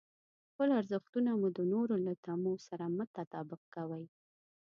خپل ارزښتونه مو د نورو له تمو سره مه تطابق کوئ.